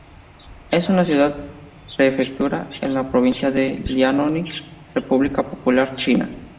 Es una ciudad-prefectura en la provincia de Liaoning, República Popular China.